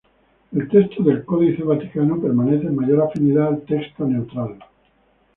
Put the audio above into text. El texto del Códice Vaticano permanece en mayor afinidad al Texto Neutral.